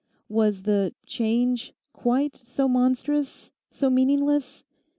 Was the 'change' quite so monstrous, so meaningless?